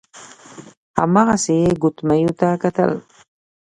هماغسې يې ګوتميو ته کتل.